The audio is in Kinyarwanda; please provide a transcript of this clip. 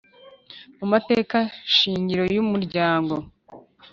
mu mategeko shingiro y Umuryango